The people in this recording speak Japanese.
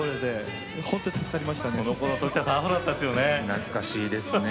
懐かしいですね。